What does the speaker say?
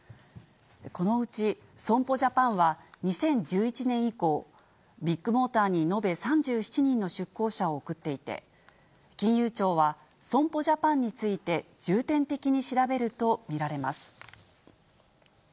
このうち、損保ジャパンは２０１１年以降、ビッグモーターに延べ３７人の出向者を送っていて、金融庁は損保ジャパンについて重点的に調べると見られます。